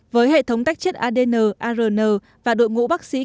với hệ thống tách chết adn arn và đội ngũ bác sĩ kỹ thuật viên